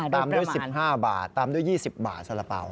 ตามด้วย๑๕บาทตามด้วย๒๐บาทสาระเป๋า